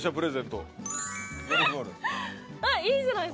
いいじゃないっすか。